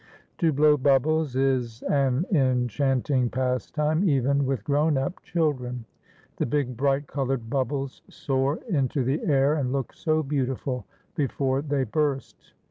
To blow bubbles is an enchanting pastime even with grown up children. The big bright coloured bubbles soar into the air and look so beautiful before they burst.